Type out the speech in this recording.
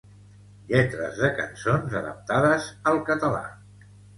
Lletres de cançons adaptades al català.